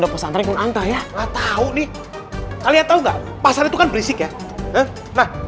pasangkan antar ya nggak tahu nih kalian tahu nggak pasang itu kan berisik ya nah